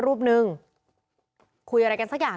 เมื่อวานแบงค์อยู่ไหนเมื่อวาน